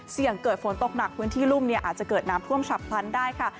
เสี่ยงเกิดฝนตกหนักพื้นที่รุ่มเนี่ยอาจจะเกิดน้ำท่วมฉับพลันได้ค่ะ